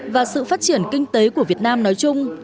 và sự phát triển kinh tế của việt nam nói chung